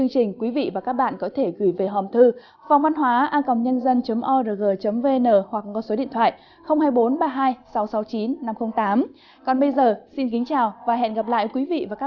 số phận nàng kiều